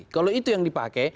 kalau itu yang dipakai